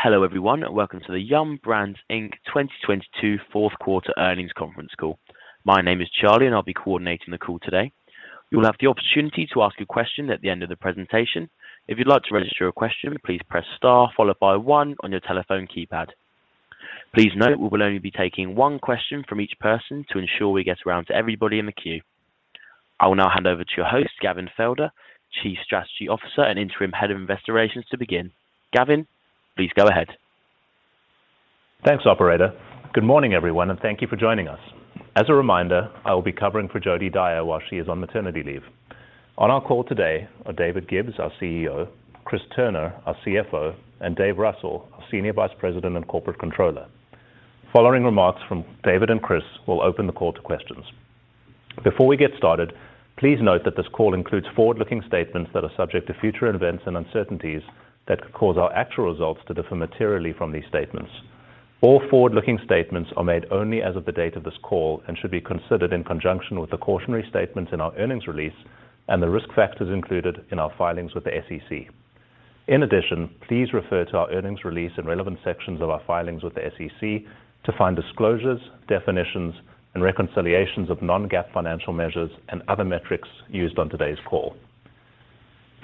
Hello, everyone. Welcome to the Yum! Brands, Inc. 2022 Q4 earnings conference call. My name is Charlie, and I'll be coordinating the call today. You will have the opportunity to ask a question at the end of the presentation. If you'd like to register your question, please press * followed by 1 on your telephone keypad. Please note we will only be taking one question from each person to ensure we get around to everybody in the queue. I will now hand over to your host, Gavin Felder, Chief Strategy Officer and Interim Head of Investor Relations, to begin. Gavin, please go ahead. Thanks, operator. Good morning, everyone, and thank you for joining us. As a reminder, I will be covering for Jodi Dyer while she is on maternity leave. On our call today are David Gibbs, our CEO, Chris Turner, our CFO, and Dave Russell, our Senior Vice President and Corporate Controller. Following remarks from David and Chris, we'll open the call to questions. Before we get started, please note that this call includes forward-looking statements that are subject to future events and uncertainties that could cause our actual results to differ materially from these statements. All forward-looking statements are made only as of the date of this call and should be considered in conjunction with the cautionary statements in our earnings release and the risk factors included in our filings with the SEC. Please refer to our earnings release and relevant sections of our filings with the SEC to find disclosures, definitions, and reconciliations of non-GAAP financial measures and other metrics used on today's call.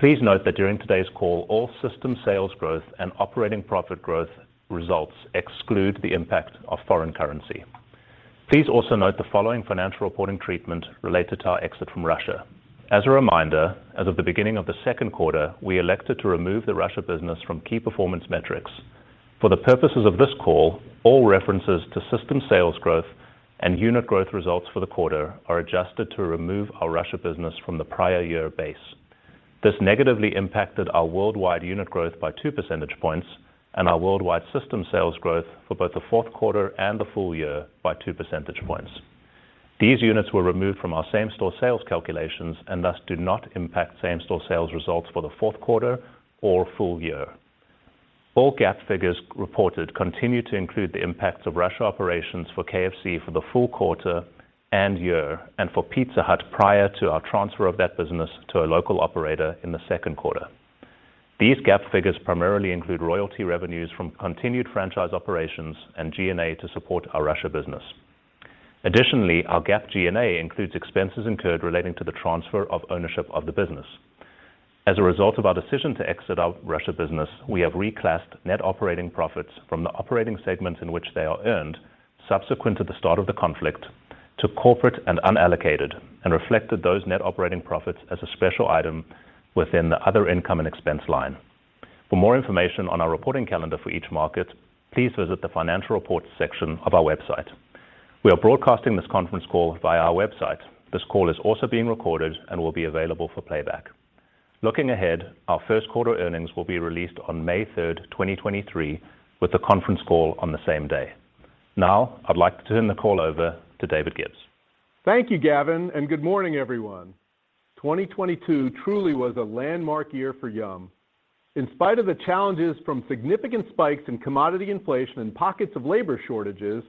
Please note that during today's call, all system sales growth and operating profit growth results exclude the impact of foreign currency. Please also note the following financial reporting treatment related to our exit from Russia. As a reminder, as of the beginning of the Q2, we elected to remove the Russia business from key performance metrics. For the purposes of this call, all references to system sales growth and unit growth results for the quarter are adjusted to remove our Russia business from the prior year base. This negatively impacted our worldwide unit growth by 2 percentage points and our worldwide system sales growth for both the Q4 and the full year by 2 percentage points. These units were removed from our same-store sales calculations and thus do not impact same-store sales results for the Q4 or full year. All GAAP figures reported continue to include the impacts of Russia operations for KFC for the full quarter and year and for Pizza Hut prior to our transfer of that business to a local operator in the Q2. These GAAP figures primarily include royalty revenues from continued franchise operations and G&A to support our Russia business. Additionally, our GAAP G&A includes expenses incurred relating to the transfer of ownership of the business. As a result of our decision to exit our Russia business, we have reclassed net operating profits from the operating segments in which they are earned subsequent to the start of the conflict to corporate and unallocated and reflected those net operating profits as a special item within the Other Income and Expense line. For more information on our reporting calendar for each market, please visit the financial reports section of our website. We are broadcasting this conference call via our website. This call is also being recorded and will be available for playback. Looking ahead, our Q1 earnings will be released on May 3, 2023, with the conference call on the same day. I'd like to turn the call over to David Gibbs. Thank you, Gavin. Good morning, everyone. 2022 truly was a landmark year for Yum. In spite of the challenges from significant spikes in commodity inflation and pockets of labor shortages,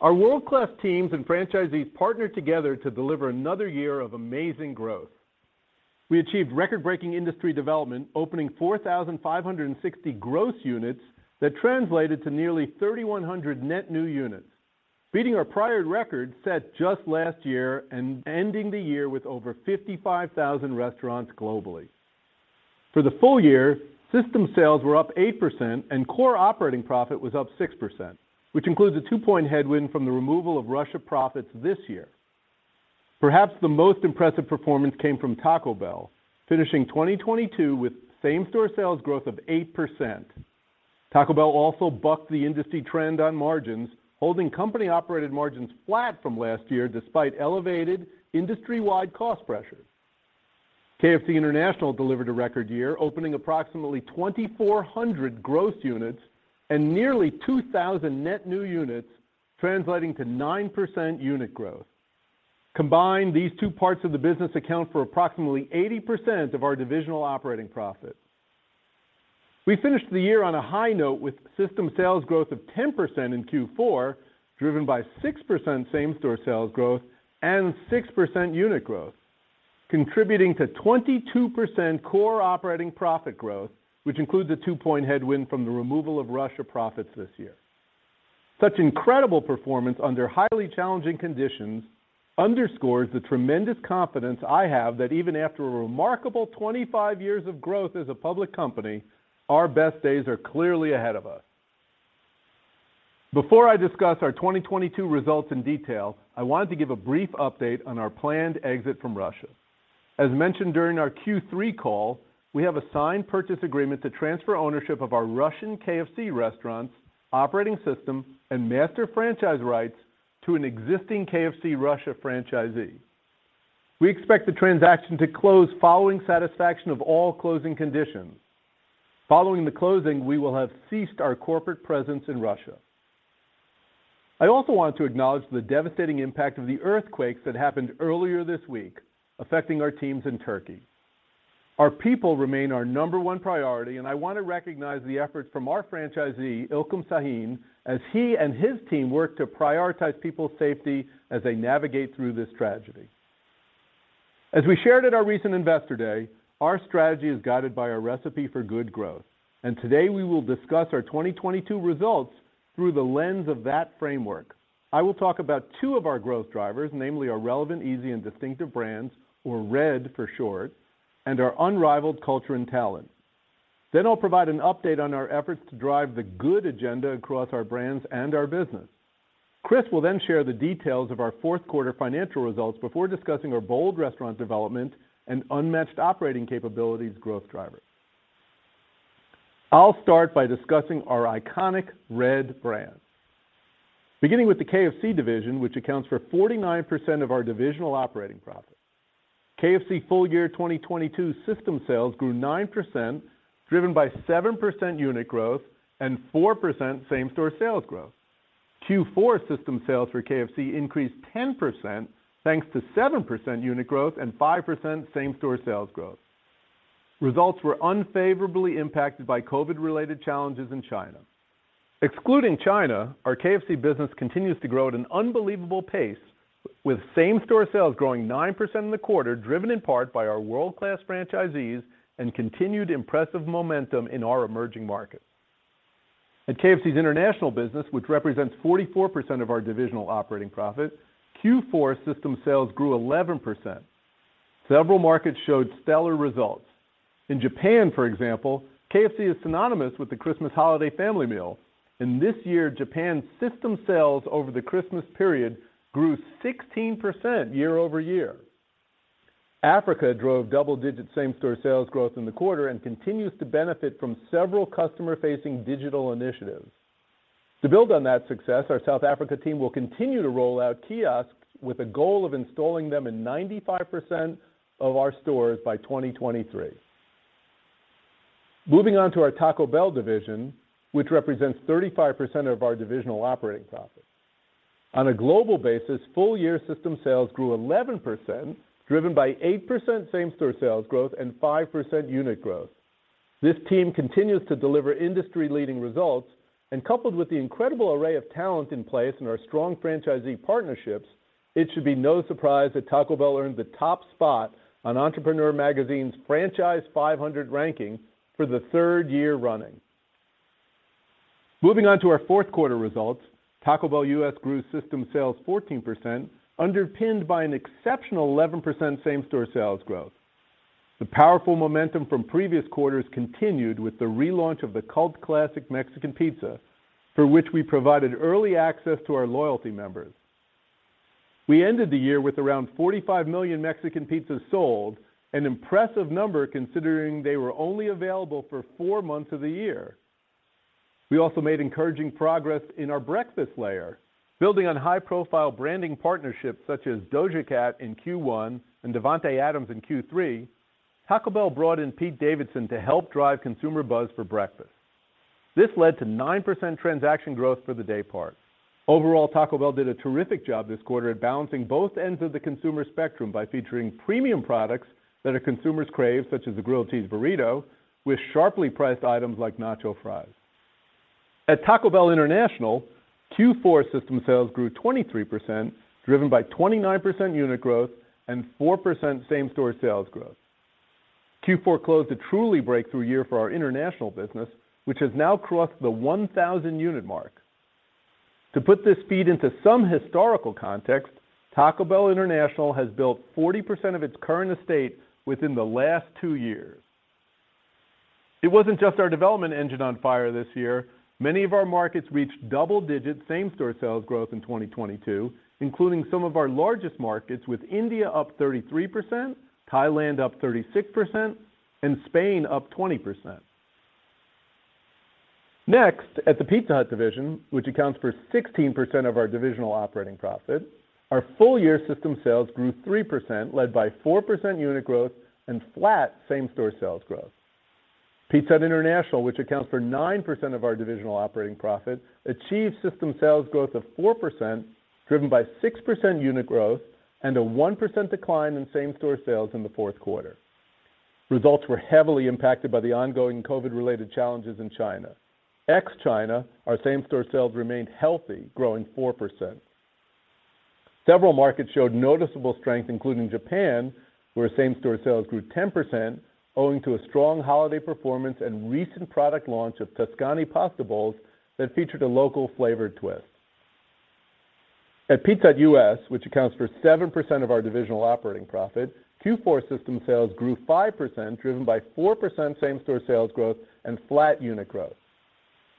our world-class teams and franchisees partnered together to deliver another year of amazing growth. We achieved record-breaking industry development, opening 4,560 gross units that translated to nearly 3,100 net new units, beating our prior record set just last year and ending the year with over 55,000 restaurants globally. For the full year, system sales were up 8% and core operating profit was up 6%, which includes a 2-point headwind from the removal of Russia profits this year. Perhaps the most impressive performance came from Taco Bell, finishing 2022 with same-store sales growth of 8%. Taco Bell also bucked the industry trend on margins, holding company-operated margins flat from last year despite elevated industry-wide cost pressures. KFC International delivered a record year, opening approximately 2,400 gross units and nearly 2,000 net new units, translating to 9% unit growth. Combined, these two parts of the business account for approximately 80% of our divisional operating profit. We finished the year on a high note with system sales growth of 10% in Q4, driven by 6% same-store sales growth and 6% unit growth, contributing to 22% core operating profit growth, which includes a 2-point headwind from the removal of Russia profits this year. Such incredible performance under highly challenging conditions underscores the tremendous confidence I have that even after a remarkable 25 years of growth as a public company, our best days are clearly ahead of us. Before I discuss our 2022 results in detail, I wanted to give a brief update on our planned exit from Russia. As mentioned during our Q3 call, we have a signed purchase agreement to transfer ownership of our Russian KFC restaurants, operating system, and master franchise rights to an existing KFC Russia franchisee. We expect the transaction to close following satisfaction of all closing conditions. Following the closing, we will have ceased our corporate presence in Russia. I also want to acknowledge the devastating impact of the earthquakes that happened earlier this week affecting our teams in Turkey. Our people remain our number one priority, and I want to recognize the efforts from our franchisee, Ilkem Sahin, as he and his team work to prioritize people's safety as they navigate through this tragedy. As we shared at our recent Investor Day, our strategy is guided by our Recipe for Good growth. Today we will discuss our 2022 results through the lens of that framework. I will talk about two of our growth drivers, namely our relevant, easy and distinctive brands, or RED for short, and our unrivaled culture and talent. I'll provide an update on our efforts to drive the good agenda across our brands and our business. Chris will then share the details of our Q4 financial results before discussing our bold restaurant development and unmatched operating capabilities growth drivers. I'll start by discussing our iconic RED brand. Beginning with the KFC division, which accounts for 49% of our divisional operating profit. KFC full year 2022 system sales grew 9%, driven by 7% unit growth and 4% same-store sales growth. Q4 system sales for KFC increased 10% thanks to 7% unit growth and 5% same-store sales growth. Results were unfavorably impacted by COVID-related challenges in China. Excluding China, our KFC business continues to grow at an unbelievable pace, with same-store sales growing 9% in the quarter, driven in part by our world-class franchisees and continued impressive momentum in our emerging markets. At KFC's international business, which represents 44% of our divisional operating profit, Q4 system sales grew 11%. Several markets showed stellar results. In Japan, for example, KFC is synonymous with the Christmas holiday family meal, and this year, Japan's system sales over the Christmas period grew 16% year-over-year. Africa drove double-digit same-store sales growth in the quarter and continues to benefit from several customer-facing digital initiatives. To build on that success, our South Africa team will continue to roll out kiosks with a goal of installing them in 95% of our stores by 2023. Moving on to our Taco Bell division, which represents 35% of our divisional operating profit. On a global basis, full-year system sales grew 11%, driven by 8% same-store sales growth and 5% unit growth. This team continues to deliver industry-leading results. Coupled with the incredible array of talent in place and our strong franchisee partnerships, it should be no surprise that Taco Bell earned the top spot on Entrepreneur Magazine's Franchise 500 ranking for the third year running. Moving on to our Q4 results, Taco Bell US grew system sales 14%, underpinned by an exceptional 11% same-store sales growth. The powerful momentum from previous quarters continued with the relaunch of the cult classic Mexican Pizza, for which we provided early access to our loyalty members. We ended the year with around 45 million Mexican pizzas sold, an impressive number considering they were only available for four months of the year. We also made encouraging progress in our breakfast layer. Building on high-profile branding partnerships such as Doja Cat in Q1 and Davante Adams in Q3, Taco Bell brought in Pete Davidson to help drive consumer buzz for breakfast. This led to 9% transaction growth for the day part. Overall, Taco Bell did a terrific job this quarter at balancing both ends of the consumer spectrum by featuring premium products that our consumers crave, such as the Grilled Cheese Burrito, with sharply priced items like Nacho Fries. At Taco Bell International, Q4 system sales grew 23%, driven by 29% unit growth and 4% same-store sales growth. Q4 closed a truly breakthrough year for our international business, which has now crossed the 1,000 unit mark. To put this feat into some historical context, Taco Bell International has built 40% of its current estate within the last two years. It wasn't just our development engine on fire this year. Many of our markets reached double-digit same-store sales growth in 2022, including some of our largest markets, with India up 33%, Thailand up 36%, and Spain up 20%. At the Pizza Hut division, which accounts for 16% of our divisional operating profit, our full-year system sales grew 3%, led by 4% unit growth and flat same-store sales growth. Pizza Hut International, which accounts for 9% of our divisional operating profit, achieved system sales growth of 4%, driven by 6% unit growth and a 1% decline in same-store sales in the Q4. Results were heavily impacted by the ongoing COVID-related challenges in China. Ex-China, our same-store sales remained healthy, growing 4%. Several markets showed noticeable strength, including Japan, where same-store sales grew 10% owing to a strong holiday performance and recent product launch of Tuscany pasta bowls that featured a local flavored twist. At Pizza Hut US, which accounts for 7% of our divisional operating profit, Q4 system sales grew 5%, driven by 4% same-store sales growth and flat unit growth.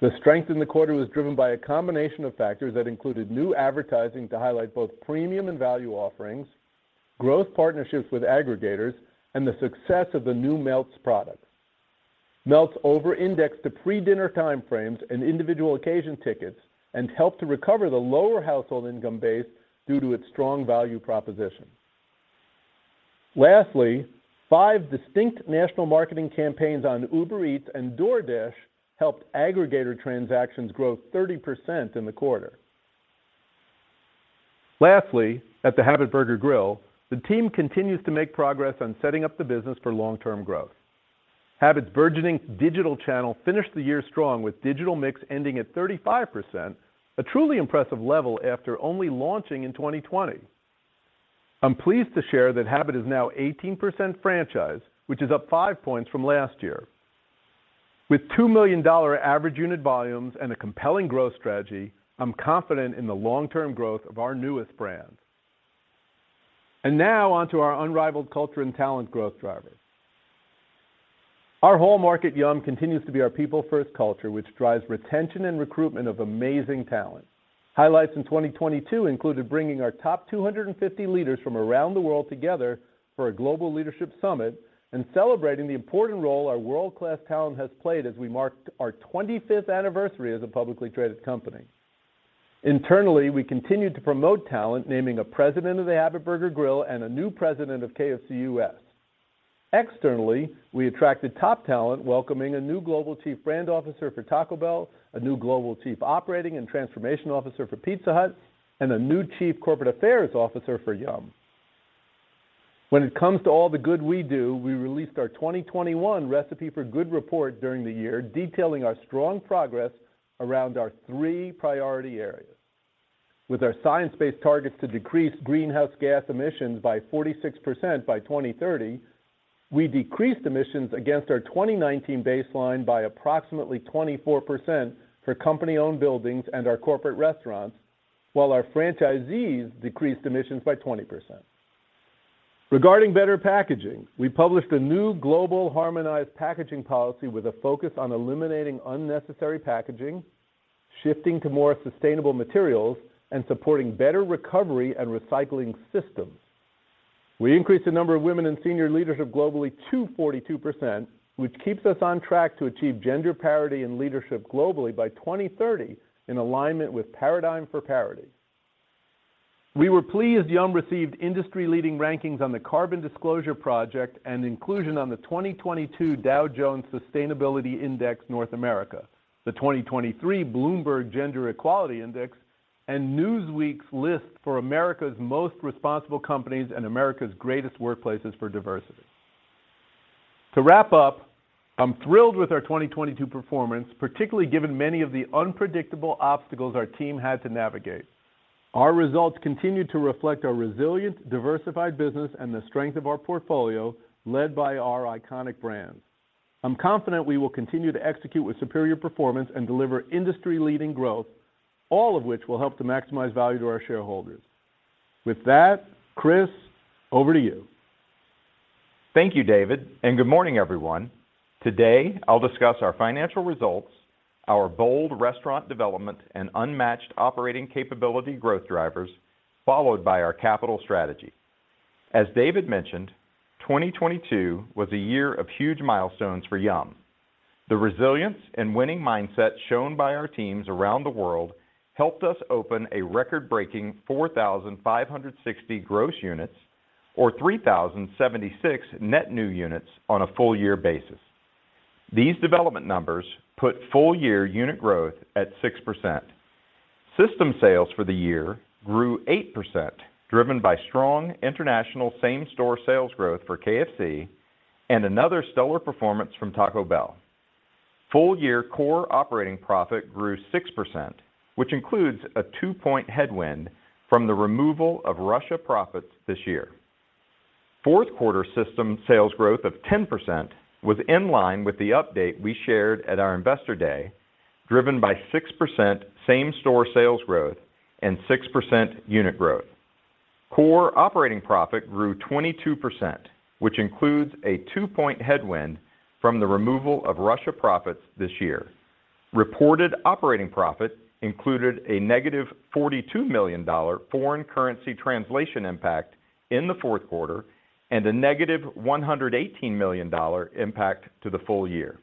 The strength in the quarter was driven by a combination of factors that included new advertising to highlight both premium and value offerings, growth partnerships with aggregators, and the success of the new Melts product. Melts over-indexed to pre-dinner time frames and individual occasion tickets and helped to recover the lower household income base due to its strong value proposition. Lastly, five distinct national marketing campaigns on Uber Eats and DoorDash helped aggregator transactions grow 30% in the quarter. Lastly, at The Habit Burger Grill, the team continues to make progress on setting up the business for long-term growth. Habit's burgeoning digital channel finished the year strong with digital mix ending at 35%, a truly impressive level after only launching in 2020. I'm pleased to share that Habit is now 18% franchise, which is up 5 points from last year. With $2 million average unit volumes and a compelling growth strategy, I'm confident in the long-term growth of our newest brand. Now on to our unrivaled culture and talent growth drivers. Our whole market Yum! continues to be our people-first culture, which drives retention and recruitment of amazing talent. Highlights in 2022 included bringing our top 250 leaders from around the world together for a global leadership summit and celebrating the important role our world-class talent has played as we marked our 25th anniversary as a publicly traded company. Internally, we continued to promote talent, naming a president of The Habit Burger Grill and a new president of KFC US. Externally, we attracted top talent, welcoming a new global chief brand officer for Taco Bell, a new global chief operating and transformation officer for Pizza Hut, and a new chief corporate affairs officer for Yum! When it comes to all the good we do, we released our 2021 Recipe for Good report during the year, detailing our strong progress around our three priority areas. With our science-based targets to decrease greenhouse gas emissions by 46% by 2030, we decreased emissions against our 2019 baseline by approximately 24% for company-owned buildings and our corporate restaurants, while our franchisees decreased emissions by 20%. Regarding better packaging, we published a new global harmonized packaging policy with a focus on eliminating unnecessary packaging, shifting to more sustainable materials, and supporting better recovery and recycling systems. We increased the number of women in senior leadership globally to 42%, which keeps us on track to achieve gender parity in leadership globally by 2030 in alignment with Paradigm for Parity. We were pleased Yum! received industry-leading rankings on the Carbon Disclosure Project and inclusion on the 2022 Dow Jones Sustainability Index North America, the 2023 Bloomberg Gender-Equality Index, and Newsweek's list for America's Most Responsible Companies and America's Greatest Workplaces for Diversity. To wrap up, I'm thrilled with our 2022 performance, particularly given many of the unpredictable obstacles our team had to navigate. Our results continue to reflect our resilient, diversified business and the strength of our portfolio led by our iconic brands. I'm confident we will continue to execute with superior performance and deliver industry-leading growth, all of which will help to maximize value to our shareholders. With that, Chris, over to you. Thank you, David, good morning, everyone. Today, I'll discuss our financial results, our bold restaurant development, and unmatched operating capability growth drivers, followed by our capital strategy. As David mentioned, 2022 was a year of huge milestones for Yum. The resilience and winning mindset shown by our teams around the world helped us open a record-breaking 4,560 gross units or 3,076 net new units on a full year basis. These development numbers put full year unit growth at 6%. System sales for the year grew 8%, driven by strong international same-store sales growth for KFC and another stellar performance from Taco Bell. Full year core operating profit grew 6%, which includes a 2-point headwind from the removal of Russia profits this year. Q4 system sales growth of 10% was in line with the update we shared at our Investor Day, driven by 6% same-store sales growth and 6% unit growth. Core operating profit grew 22%, which includes a 2-point headwind from the removal of Russia profits this year. Reported operating profit included a negative $42 million foreign currency translation impact in the Q4 and a negative $118 million impact to the full year.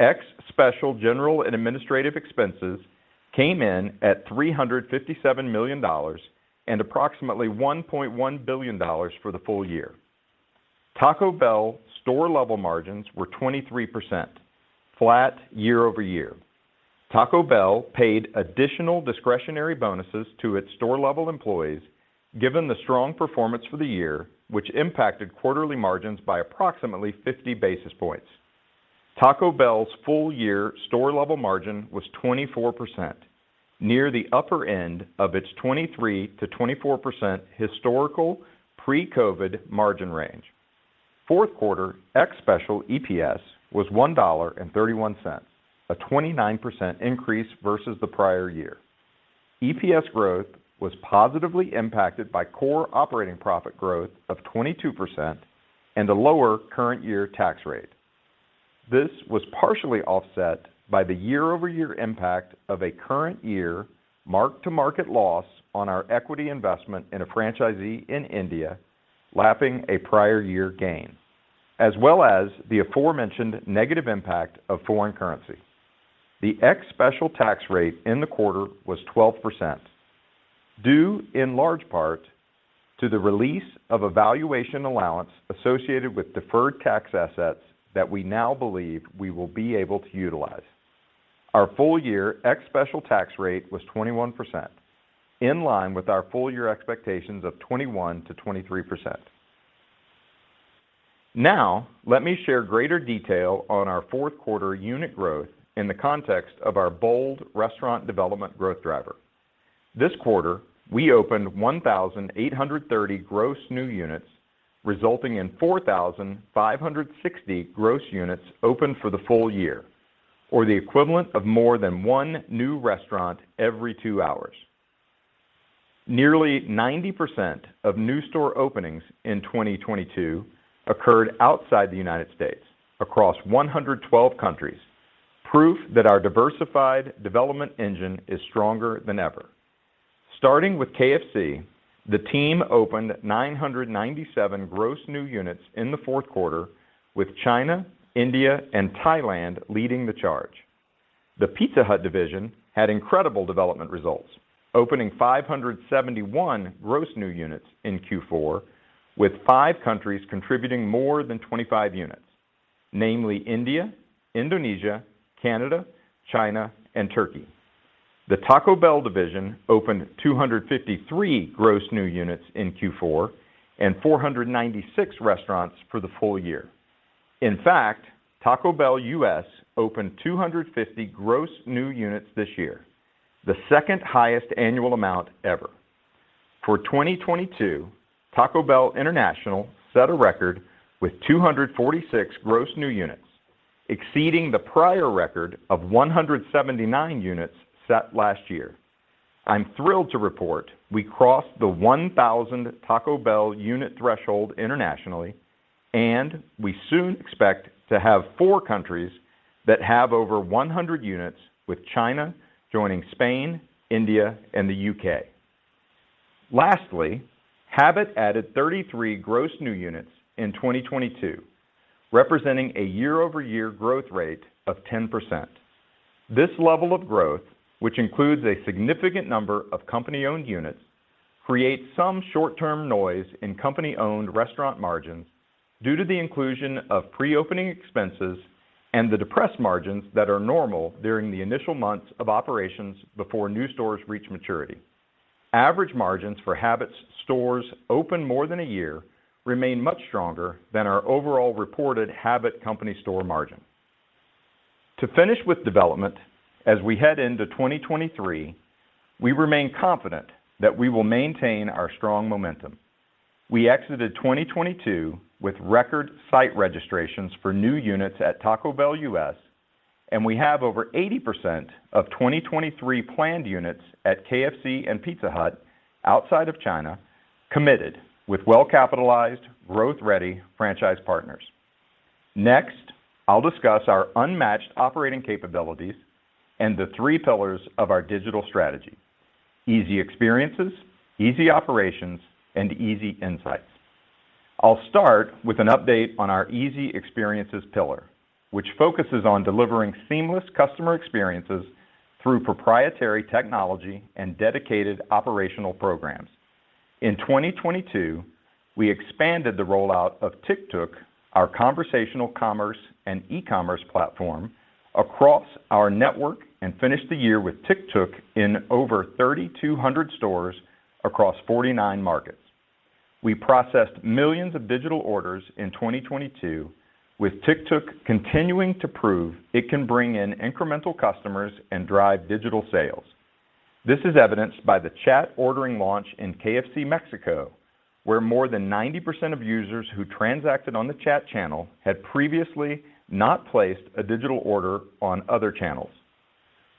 Ex special general and administrative expenses came in at $357 million and approximately $1.1 billion for the full year. Taco Bell store-level margins were 23%, flat year-over-year. Taco Bell paid additional discretionary bonuses to its store-level employees given the strong performance for the year, which impacted quarterly margins by approximately 50 basis points. Taco Bell's full year store-level margin was 24%, near the upper end of its 23%-24% historical pre-COVID margin range. Q4 ex special EPS was $1.31, a 29% increase versus the prior year. EPS growth was positively impacted by core operating profit growth of 22% and a lower current year tax rate. This was partially offset by the year-over-year impact of a current year mark-to-market loss on our equity investment in a franchisee in India lapping a prior year gain, as well as the aforementioned negative impact of foreign currency. The ex special tax rate in the quarter was 12%, due in large part to the release of a valuation allowance associated with deferred tax assets that we now believe we will be able to utilize. Our full year ex special tax rate was 21% in line with our full year expectations of 21%-23%. Let me share greater detail on our Q4 unit growth in the context of our bold restaurant development growth driver. This quarter, we opened 1,830 gross new units, resulting in 4,560 gross units opened for the full year, or the equivalent of more than 1 new restaurant every 2 hours. Nearly 90% of new store openings in 2022 occurred outside the United States across 112 countries. Proof that our diversified development engine is stronger than ever. Starting with KFC, the team opened 997 gross new units in the Q4, with China, India and Thailand leading the charge. The Pizza Hut division had incredible development results, opening 571 gross new units in Q4, with five countries contributing more than 25 units, namely India, Indonesia, Canada, China and Turkey. The Taco Bell division opened 253 gross new units in Q4 and 496 restaurants for the full year. In fact, Taco Bell US opened 250 gross new units this year, the second highest annual amount ever. For 2022 Taco Bell International set a record with 246 gross new units, exceeding the prior record of 179 units set last year. I'm thrilled to report we crossed the 1,000 Taco Bell unit threshold internationally. We soon expect to have 4 countries that have over 100 units, with China joining Spain, India and the U.K. Lastly, Habit added 33 gross new units in 2022, representing a year-over-year growth rate of 10%. This level of growth, which includes a significant number of company-owned units, creates some short-term noise in company-owned restaurant margins due to the inclusion of pre-opening expenses and the depressed margins that are normal during the initial months of operations before new stores reach maturity. Average margins for Habit's stores open more than a year remain much stronger than our overall reported Habit company store margin. To finish with development. As we head into 2023, we remain confident that we will maintain our strong momentum. We exited 2022 with record site registrations for new units at Taco Bell US, and we have over 80% of 2023 planned units at KFC and Pizza Hut outside of China committed with well capitalized growth ready franchise partners. I'll discuss our unmatched operating capabilities and the three pillars of our digital strategy Easy Experiences, Easy Operations, and Easy Insights. I'll start with an update on our Easy Experiences pillar, which focuses on delivering seamless customer experiences through proprietary technology and dedicated operational programs. In 2022, we expanded the rollout of Tictuk, our conversational commerce and e-commerce platform, across our network, and finished the year with Tictuk in over 3,200 stores across 49 markets. We processed millions of digital orders in 2022, with Tictuk continuing to prove it can bring in incremental customers and drive digital sales. This is evidenced by the chat ordering launch in KFC Mexico, where more than 90% of users who transacted on the chat channel had previously not placed a digital order on other channels.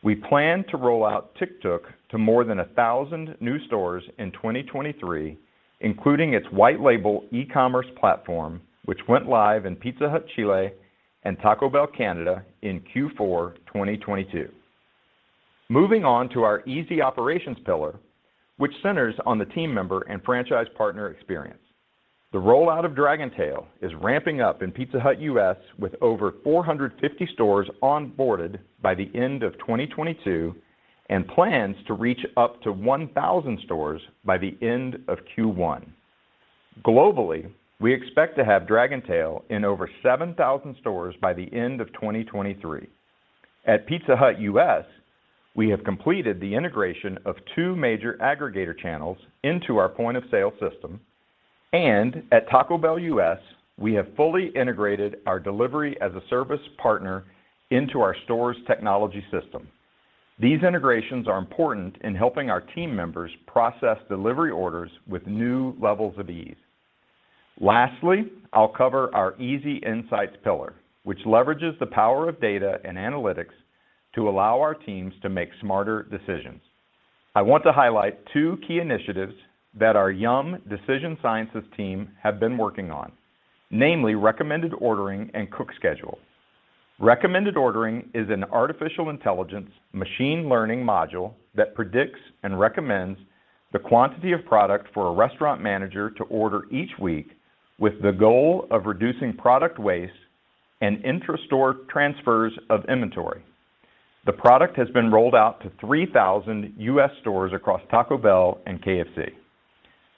We plan to roll out Tictuk to more than 1,000 new stores in 2023, including its white label e-commerce platform, which went live in Pizza Hut Chile and Taco Bell Canada in Q4 2022. Moving on to our Easy Operations pillar, which centers on the team member and franchise partner experience. The rollout of Dragontail is ramping up in Pizza Hut US, with over 450 stores onboarded by the end of 2022, and plans to reach up to 1,000 stores by the end of Q1. Globally, we expect to have Dragontail in over 7,000 stores by the end of 2023. At Pizza Hut US, we have completed the integration of two major aggregator channels into our point of sale system, and at Taco Bell US, we have fully integrated our delivery as a service partner into our stores technology system. These integrations are important in helping our team members process delivery orders with new levels of ease. Lastly, I'll cover our Easy Insights pillar, which leverages the power of data and analytics to allow our teams to make smarter decisions. I want to highlight two key initiatives that our Yum Decision Sciences team have been working on, namely recommended ordering and cook schedule. Recommended ordering is an artificial intelligence machine learning module that predicts and recommends the quantity of product for a restaurant manager to order each week, with the goal of reducing product waste and intra-store transfers of inventory. The product has been rolled out to 3,000 U.S. stores across Taco Bell and KFC.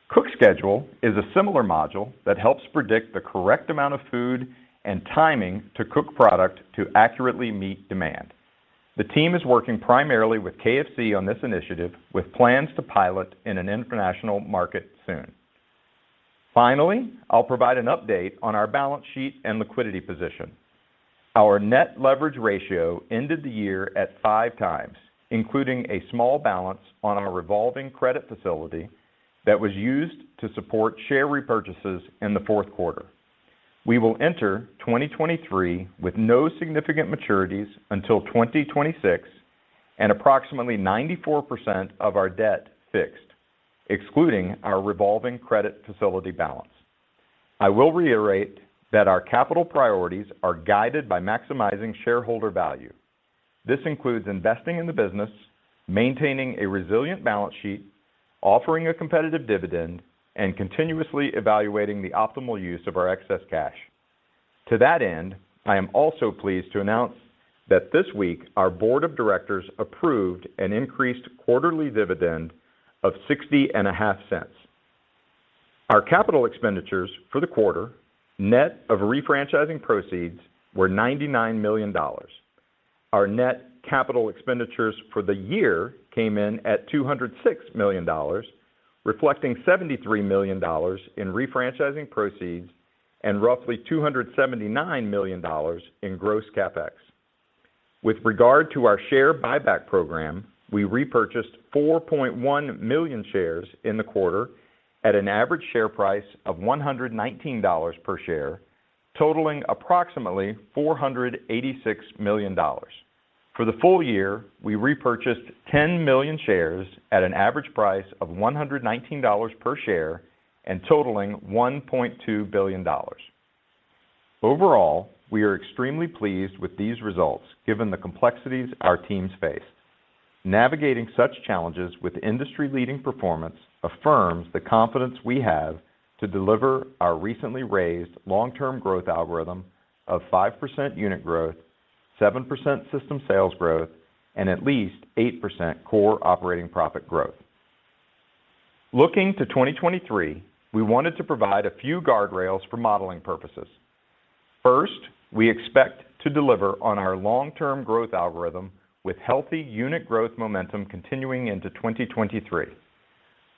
cook schedule is a similar module that helps predict the correct amount of food and timing to cook product to accurately meet demand. The team is working primarily with KFC on this initiative, with plans to pilot in an international market soon. Finally, I'll provide an update on our balance sheet and liquidity position. Our net leverage ratio ended the year at 5 times, including a small balance on a revolving credit facility that was used to support share repurchases in the Q4. We will enter 2023 with no significant maturities until 2026 and approximately 94% of our debt fixed, excluding our revolving credit facility balance. I will reiterate that our capital priorities are guided by maximizing shareholder value. This includes investing in the business, maintaining a resilient balance sheet, offering a competitive dividend, and continuously evaluating the optimal use of our excess cash. To that end, I am also pleased to announce that this week our Board of Directors approved an increased quarterly dividend of $0.65. Our capital expenditures for the quarter, net of refranchising proceeds, were $99 million. Our net capital expenditures for the year came in at $206 million, reflecting $73 million in refranchising proceeds and roughly $279 million in gross CapEx. With regard to our share buyback program, we repurchased 4.1 million shares in the quarter at an average share price of $119 per share, totaling approximately $486 million. For the full year, we repurchased 10 million shares at an average price of $119 per share and totaling $1.2 billion. Overall, we are extremely pleased with these results, given the complexities our teams face. Navigating such challenges with industry-leading performance affirms the confidence we have to deliver our recently raised long-term growth algorithm of 5% unit growth, 7% system sales growth, and at least 8% core operating profit growth. Looking to 2023, we wanted to provide a few guardrails for modeling purposes. First, we expect to deliver on our long-term growth algorithm with healthy unit growth momentum continuing into 2023.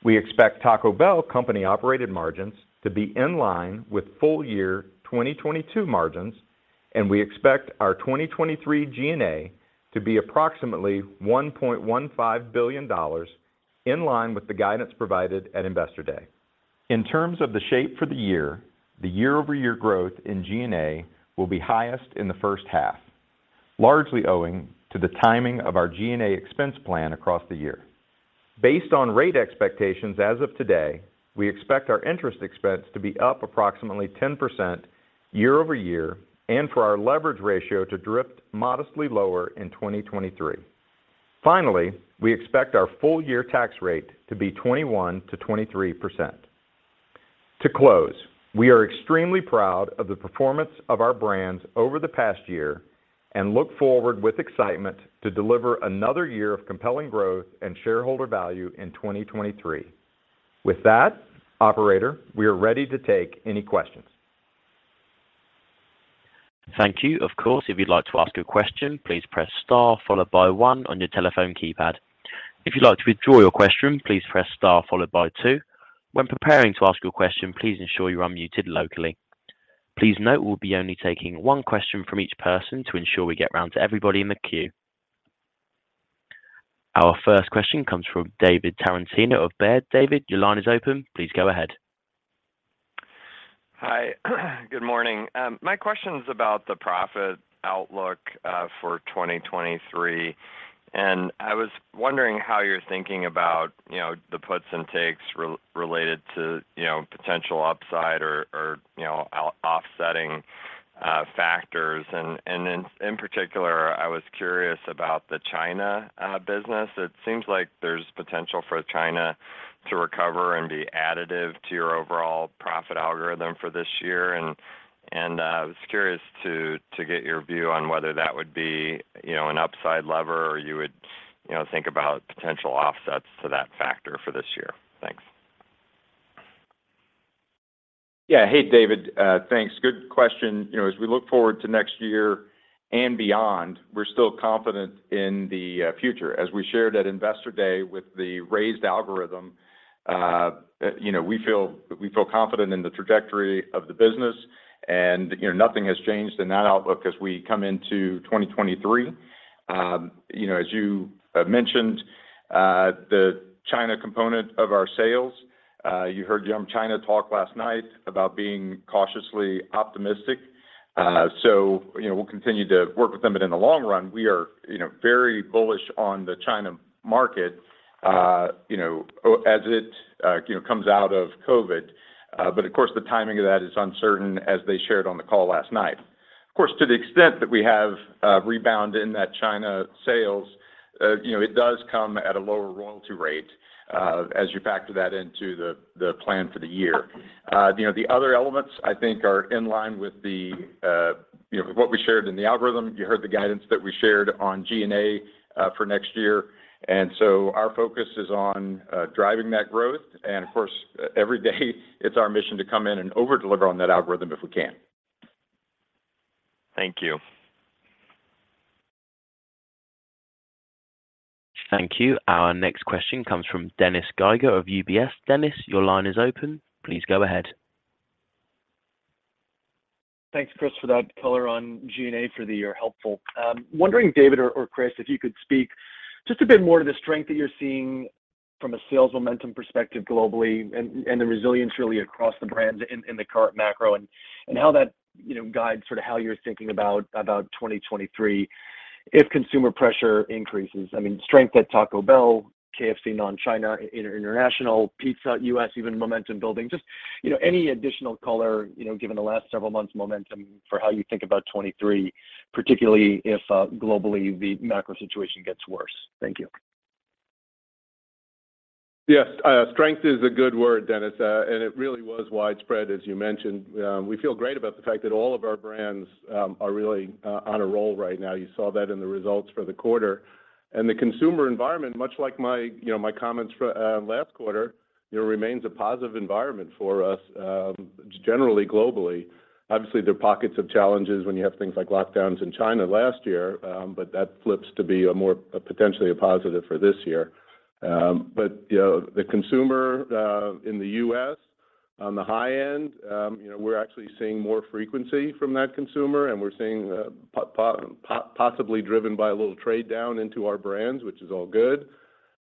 We expect Taco Bell company-operated margins to be in line with full year 2022 margins. We expect our 2023 G&A to be approximately $1.15 billion in line with the guidance provided at Investor Day. In terms of the shape for the year, the year-over-year growth in G&A will be highest in the first half, largely owing to the timing of our G&A expense plan across the year. Based on rate expectations as of today, we expect our interest expense to be up approximately 10% year-over-year and for our leverage ratio to drift modestly lower in 2023. Finally, we expect our full year tax rate to be 21%-23%. To close, we are extremely proud of the performance of our brands over the past year and look forward with excitement to deliver another year of compelling growth and shareholder value in 2023. With that, operator, we are ready to take any questions. Thank you. Of course, if you'd like to ask a question, please press * followed by 1 on your telephone keypad. If you'd like to withdraw your question, please press * followed by 2. When preparing to ask your question, please ensure you're unmuted locally. Please note we'll be only taking one question from each person to ensure we get around to everybody in the queue. Our first question comes from David Tarantino of Baird. David, your line is open. Please go ahead. Hi. Good morning. My question's about the profit outlook for 2023, and I was wondering how you're thinking about, you know, the puts and takes related to, you know, potential upside or, you know, offsetting factors. In particular, I was curious about the China business. It seems like there's potential for China to recover and be additive to your overall profit algorithm for this year and I was curious to get your view on whether that would be, you know, an upside lever or you would, you know, think about potential offsets to that factor for this year. Thanks. Yeah. Hey, David. Thanks. Good question. You know, as we look forward to next year and beyond, we're still confident in the future. As we shared at Investor Day with the raised algorithm, you know, we feel confident in the trajectory of the business, and you know, nothing has changed in that outlook as we come into 2023. You know, as you mentioned, the China component of our sales, you heard Yum China talk last night about being cautiously optimistic. We'll continue to work with them, but in the long run, we are, you know, very bullish on the China market, you know, as it, you know, comes out of COVID. Of course the timing of that is uncertain, as they shared on the call last night. Of course, to the extent that we have a rebound in that China sales, you know, it does come at a lower royalty rate, as you factor that into the plan for the year. You know, the other elements I think are in line with the, you know, what we shared in the algorithm. You heard the guidance that we shared on G&A for next year, so our focus is on driving that growth. Of course, every day it's our mission to come in and overdeliver on that algorithm if we can. Thank you. Thank you. Our next question comes from Dennis Geiger of UBS. Dennis, your line is open. Please go ahead. Thanks, Chris, for that color on G&A for the year. Helpful. Wondering, David or Chris, if you could speak just a bit more to the strength that you're seeing from a sales momentum perspective globally and the resilience really across the brands in the current macro and how that, you know, guides sort of how you're thinking about 2023 if consumer pressure increases. I mean, strength at Taco Bell, KFC non-China, international, Pizza U.S., even momentum building. Just, you know, any additional color, you know, given the last several months' momentum for how you think about 23, particularly if globally the macro situation gets worse. Thank you. Yes. strength is a good word, Dennis. and it really was widespread, as you mentioned. We feel great about the fact that all of our brands are really on a roll right now. You saw that in the results for the quarter. The consumer environment, much like my, you know, my comments last quarter, you know, remains a positive environment for us, generally globally. Obviously, there are pockets of challenges when you have things like lockdowns in China last year, but that flips to be potentially a positive for this year. You know, the consumer in the U.S. on the high end, you know, we're actually seeing more frequency from that consumer, and we're seeing possibly driven by a little trade down into our brands, which is all good.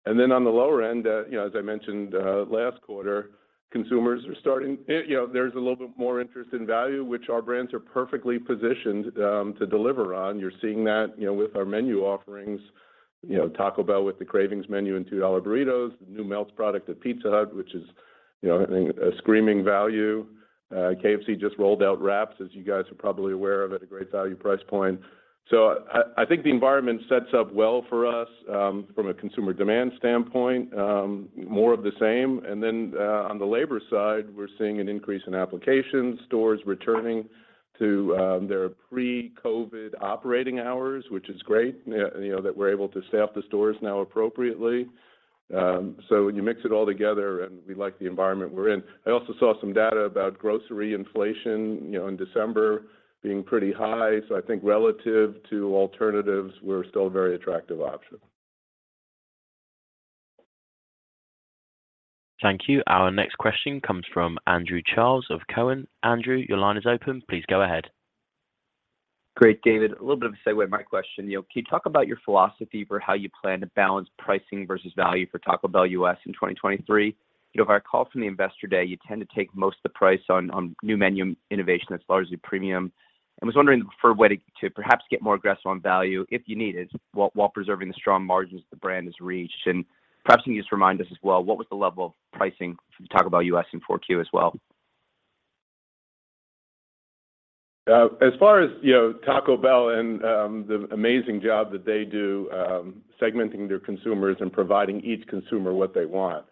On the lower end, you know, as I mentioned, last quarter, you know, there's a little bit more interest in value, which our brands are perfectly positioned to deliver on. You're seeing that, you know, with our menu offerings. You know, Taco Bell with the Cravings Menu and $2 burritos, the new Melts product at Pizza Hut, which is, you know, I think a screaming value. KFC just rolled out wraps, as you guys are probably aware of, at a great value price point. I think the environment sets up well for us from a consumer demand standpoint, more of the same. On the labor side, we're seeing an increase in applications, stores returning to their pre-COVID operating hours, which is great, you know, that we're able to staff the stores now appropriately. When you mix it all together and we like the environment we're in. I also saw some data about grocery inflation, you know, in December being pretty high. I think relative to alternatives, we're still a very attractive option. Thank you. Our next question comes from Andrew Charles of Cowen. Andrew, your line is open. Please go ahead. Great, David. A little bit of a segue, my question. You know, can you talk about your philosophy for how you plan to balance pricing versus value for Taco Bell U.S. in 2023? You know, if I recall from the Investor Day, you tend to take most of the price on new menu innovation that's largely premium. I was wondering if a way to perhaps get more aggressive on value if you need it, while preserving the strong margins the brand has reached. Perhaps can you just remind us as well, what was the level of pricing for Taco Bell U.S. in Q4 as well? As far as, you know, Taco Bell and the amazing job that they do, segmenting their consumers and providing each consumer what they want,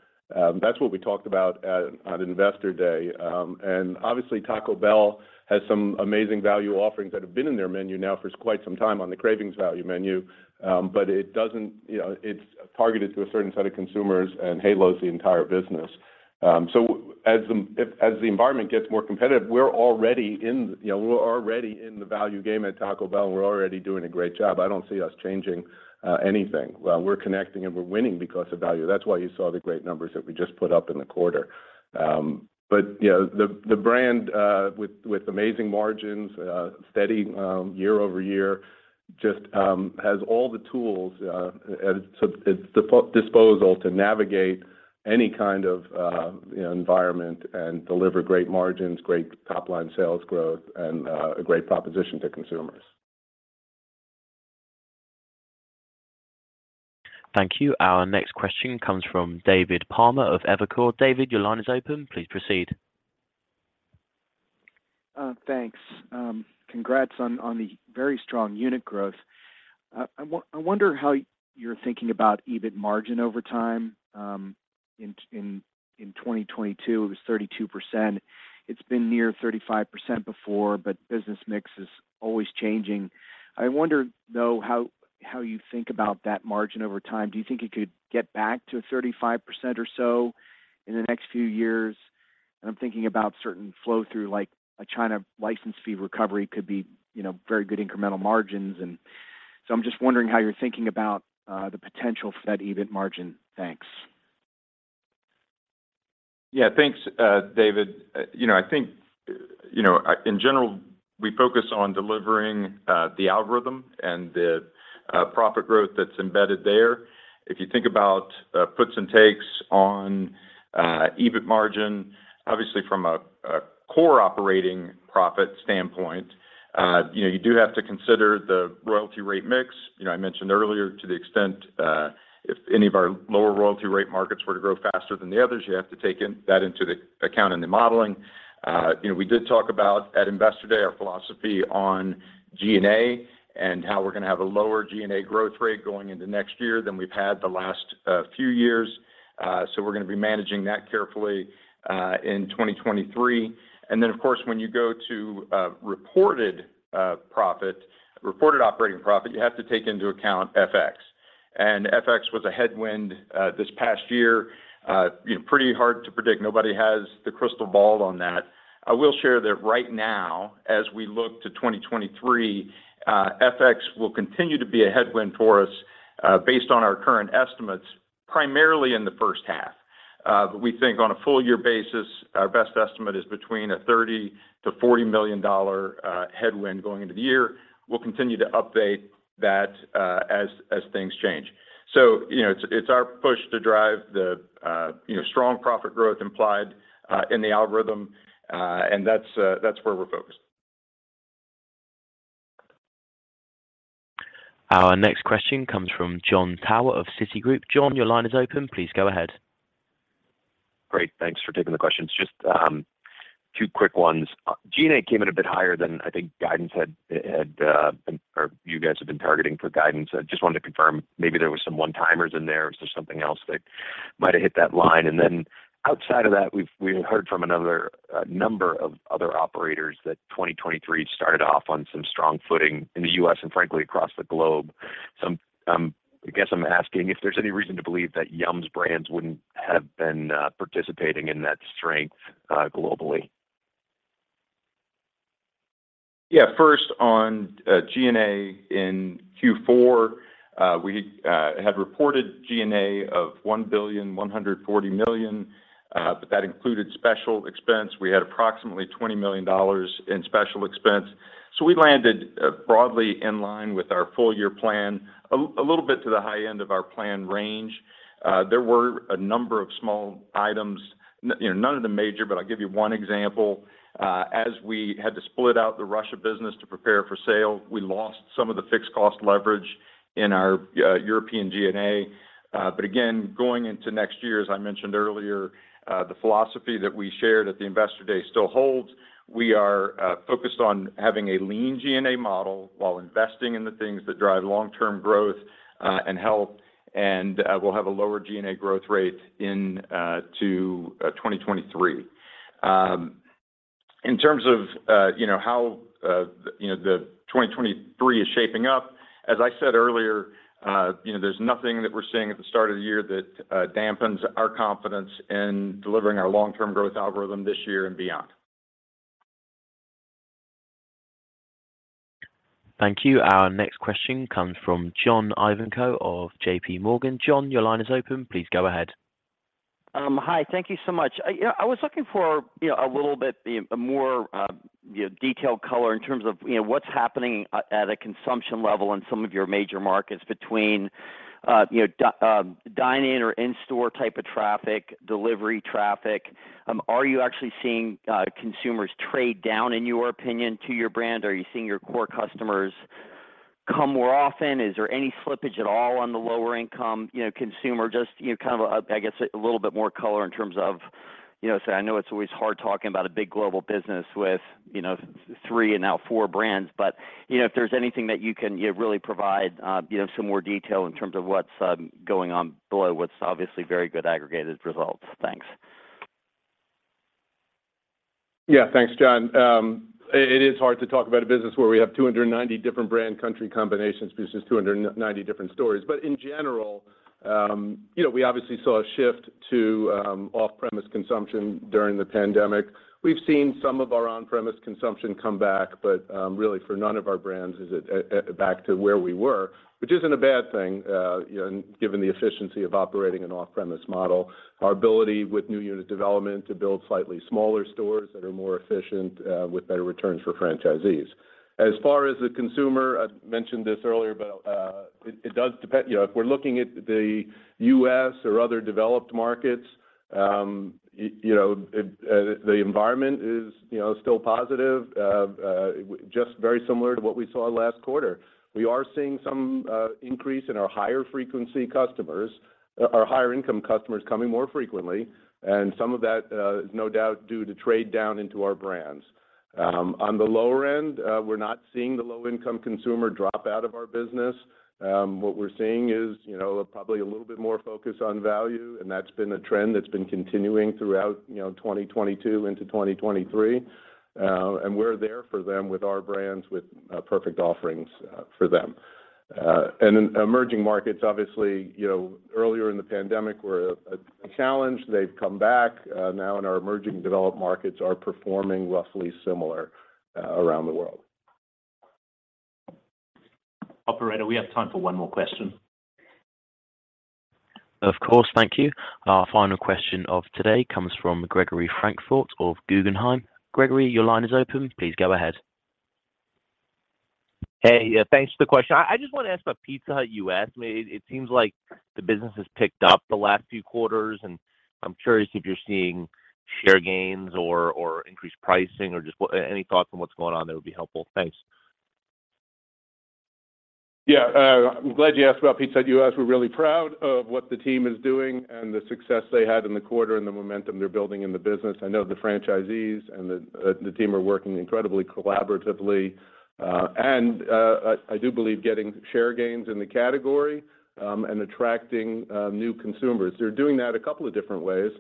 that's what we talked about at, on Investor Day. Obviously, Taco Bell has some amazing value offerings that have been in their menu now for quite some time on the Cravings Value Menu. It doesn't, you know, it's targeted to a certain set of consumers and halos the entire business. As the environment gets more competitive, we're already in, you know, we're already in the value game at Taco Bell, and we're already doing a great job. I don't see us changing anything. We're connecting, and we're winning because of value. That's why you saw the great numbers that we just put up in the quarter. But, you know, the brand, with amazing margins, steady year-over-year, just has all the tools at its disposal to navigate any kind of, you know, environment and deliver great margins, great top-line sales growth, and a great proposition to consumers. Thank you. Our next question comes from David Palmer of Evercore. David, your line is open. Please proceed. Thanks. Congrats on the very strong unit growth. I wonder how you're thinking about EBIT margin over time. In 2022, it was 32%. It's been near 35 before, business mix is always changing. I wonder, though, how you think about that margin over time. Do you think it could get back to 35% or so in the next few years? I'm thinking about certain flow through, like China license fee recovery could be, you know, very good incremental margins. I'm just wondering how you're thinking about the potential for that EBIT margin. Thanks. Thanks, David. You know, I think, you know, in general, we focus on delivering the algorithm and the profit growth that's embedded there. If you think about puts and takes on EBIT margin, obviously from a core operating profit standpoint, you know, you do have to consider the royalty rate mix. You know, I mentioned earlier to the extent if any of our lower royalty rate markets were to grow faster than the others, you have to take that into the account in the modeling. You know, we did talk about at Investor Day our philosophy on G&A and how we're gonna have a lower G&A growth rate going into next year than we've had the last few years. So we're gonna be managing that carefully in 2023. Of course, when you go to reported operating profit, you have to take into account FX. FX was a headwind this past year. You know, pretty hard to predict. Nobody has the crystal ball on that. I will share that right now as we look to 2023, FX will continue to be a headwind for us, based on our current estimates, primarily in the first half. We think on a full year basis, our best estimate is between a $30 - 40 million headwind going into the year. We'll continue to update that as things change. You know, it's our push to drive the, you know, strong profit growth implied in the algorithm. That's, that's where we're focused. Our next question comes from Jon Tower of Citigroup. John, your line is open. Please go ahead. Great. Thanks for taking the questions. Just two quick ones. G&A came in a bit higher than I think guidance had or you guys have been targeting for guidance. I just wanted to confirm maybe there was some one-timers in there. Is there something else that might have hit that line? Outside of that, we heard from another, a number of other operators that 2023 started off on some strong footing in the U.S. and frankly, across the globe. I guess I'm asking if there's any reason to believe that Yum's brands wouldn't have been participating in that strength globally. First, on G&A in Q4, we had reported G&A of $1.14 billion, but that included special expense. We had approximately $20 million in special expense. We landed broadly in line with our full year plan. A little bit to the high end of our planned range. There were a number of small items. You know, none of them major, but I'll give you one example. As we had to split out the Russia business to prepare for sale, we lost some of the fixed cost leverage in our European G&A. Again, going into next year, as I mentioned earlier, the philosophy that we shared at the Investor Day still holds. We are focused on having a lean G&A model while investing in the things that drive long-term growth, and health, and we'll have a lower G&A growth rate into 2023. In terms of, you know, how, you know, the 2023 is shaping up, as I said earlier, you know, there's nothing that we're seeing at the start of the year that dampens our confidence in delivering our long-term growth algorithm this year and beyond. Thank you. Our next question comes from John Ivankoe of JPMorgan. John, your line is open. Please go ahead. Hi. Thank you so much. You know, I was looking for, you know, a little bit, a more detailed color in terms of, you know, what's happening at a consumption level in some of your major markets between, you know, dine in or in-store type of traffic, delivery traffic. Are you actually seeing consumers trade down, in your opinion, to your brand? Are you seeing your core customers come more often? Is there any slippage at all on the lower income, you know, consumer? Just, you know, kind of, I guess, a little bit more color in terms of, you know, say, I know it's always hard talking about a big global business with, you know, 3 and now 4 brands. You know, if there's anything that you can, you know, really provide, you know, some more detail in terms of what's going on below what's obviously very good aggregated results. Thanks. Yeah. Thanks, John. It is hard to talk about a business where we have 290 different brand country combinations because it's 290 different stories. In general, you know, we obviously saw a shift to off-premise consumption during the pandemic. We've seen some of our on-premise consumption come back, but really for none of our brands is it back to where we were, which isn't a bad thing, you know, given the efficiency of operating an off-premise model. Our ability with new unit development to build slightly smaller stores that are more efficient with better returns for franchisees. As far as the consumer, I mentioned this earlier, but it does depend. You know, if we're looking at the US or other developed markets, you know, the environment is, you know, still positive, just very similar to what we saw last quarter. We are seeing some increase in our higher frequency customers. Our higher income customers coming more frequently, and some of that is no doubt due to trade down into our brands. On the lower end, we're not seeing the low-income consumer drop out of our business. What we're seeing is, you know, probably a little bit more focus on value, and that's been a trend that's been continuing throughout, you know, 2022 into 2023. We're there for them with our brands, with perfect offerings for them. In emerging markets, obviously, you know, earlier in the pandemic were a challenge. They've come back, now and our emerging developed markets are performing roughly similar, around the world. Operator, we have time for one more question. Of course. Thank you. Our final question of today comes from Gregory Francfort of Guggenheim. Gregory, your line is open. Please go ahead. Hey. Thanks for the question. I just want to ask about Pizza Hut US. I mean, it seems like the business has picked up the last few quarters, I'm curious if you're seeing share gains or increased pricing or just any thoughts on what's going on, that would be helpful. Thanks. Yeah. I'm glad you asked about Pizza Hut US. We're really proud of what the team is doing and the success they had in the quarter and the momentum they're building in the business. I know the franchisees and the team are working incredibly collaboratively. I do believe getting share gains in the category and attracting new consumers. They're doing that a couple of different ways.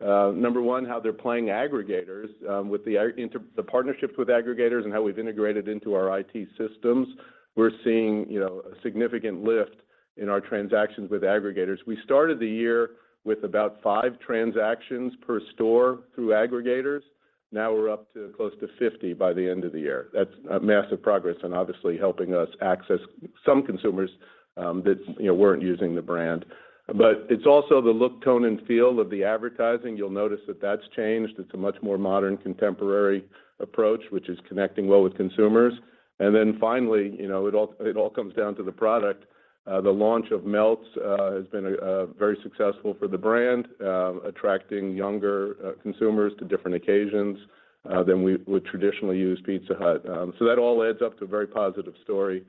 Number one, how they're playing aggregators with the partnerships with aggregators and how we've integrated into our IT systems. We're seeing, you know, a significant lift in our transactions with aggregators. We started the year with about five transactions per store through aggregators. Now we're up to close to 50 by the end of the year. That's a massive progress and obviously helping us access some consumers, that, you know, weren't using the brand. It's also the look, tone, and feel of the advertising. You'll notice that that's changed. It's a much more modern, contemporary approach, which is connecting well with consumers. Finally, you know, it all comes down to the product. The launch of Melts has been very successful for the brand, attracting younger consumers to different occasions than we would traditionally use Pizza Hut. So that all adds up to a very positive story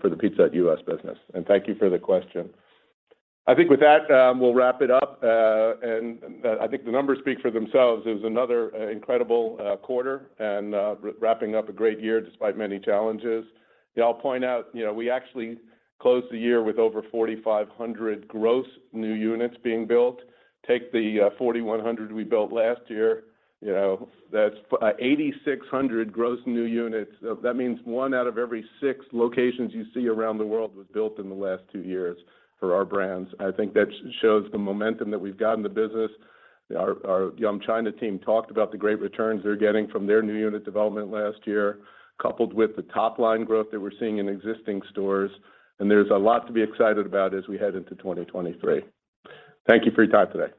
for the Pizza Hut US business. Thank you for the question. I think with that, we'll wrap it up. I think the numbers speak for themselves. It was another incredible quarter and wrapping up a great year despite many challenges. I'll point out, you know, we actually closed the year with over 4,500 gross new units being built. Take the 4,100 we built last year, you know, that's 8,600 gross new units. That means one out of every six locations you see around the world was built in the last two years for our brands. I think that shows the momentum that we've got in the business. Our Yum China team talked about the great returns they're getting from their new unit development last year, coupled with the top line growth that we're seeing in existing stores. There's a lot to be excited about as we head into 2023. Thank you for your time today.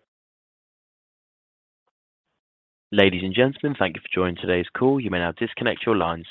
Ladies and gentlemen, thank you for joining today's call. You may now disconnect your lines.